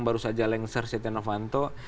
baru saja lengser setia novanto